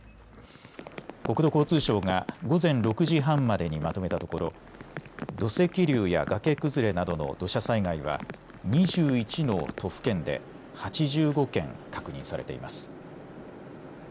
国土交通省が午前６時半までにまとめたところ土石流や崖崩れなどの土砂災害は２１の都府県で８５件確認されています。